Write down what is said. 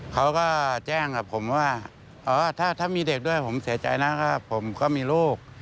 เขาก็แจ้งกับผมว่าถ้ามีเด็กด้วยผมเสียใจนะผมก็มีลูก